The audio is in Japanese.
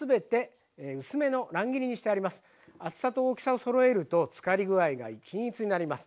厚さと大きさをそろえると漬かり具合が均一になります。